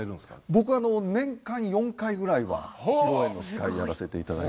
僕年間４回ぐらいは披露宴の司会やらせて頂いていますね。